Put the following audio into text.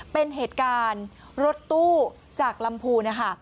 เป็นเหตุการณ์รถตู้จากลำพูนนะคะ